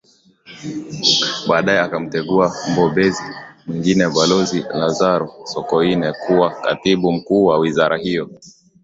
Baadae akamteua mbobezi mwingine balozi Lazaro Sokoine kuwa Katibu Mkuu wa wizara hiyo